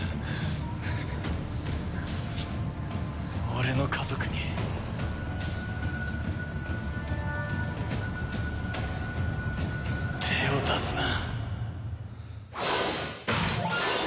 俺の家族に手を出すな！